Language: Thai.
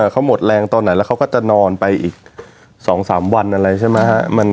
เขาหมดแรงตอนไหนแล้วเขาก็จะนอนไปอีก๒๓วันอะไรใช่ไหมฮะ